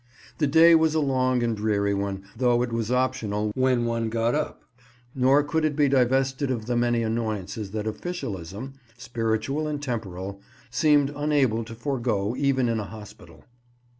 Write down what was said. The day was a long and dreary one, though it was optional when one got up, nor could it be divested of the many annoyances that officialism—spiritual and temporal—seemed unable to forego even in a hospital.